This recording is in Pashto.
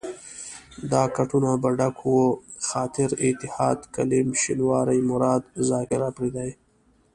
دا کټونه به ډک وو، خاطر، اتحاد، کلیم شینواری، مراد، زاکر اپرېدی.